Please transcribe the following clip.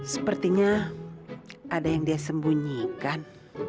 sepertinya ada yang dia sembunyikan